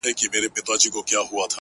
پرېولئ – په دې ترخو اوبو مو ځان مبارک!!